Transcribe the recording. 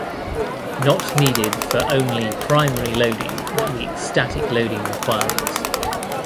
Not needed for only primary loading that meets static loading requirements.